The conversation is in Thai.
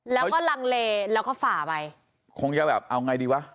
แล้วก็ลังเลแล้วก็ฝ่าไปคงจะแบบเอาไงดีวะ